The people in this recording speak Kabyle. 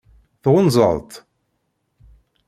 Tɣunzaḍ-t?